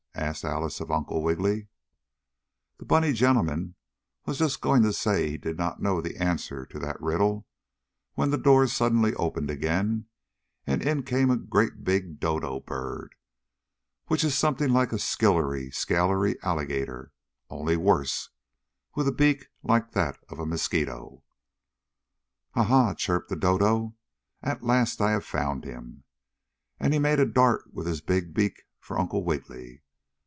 asked Alice of Uncle Wiggily. The bunny gentleman was just going to say he did not know the answer to that riddle, when the door suddenly opened again and in came a great big dodo bird, which is something like a skillery scalery alligator, only worse, with a beak like that of a mosquito. "Ah, ha!" chirped the dodo. "At last I have found him!" and he made a dart with his big beak for Uncle Wiggily.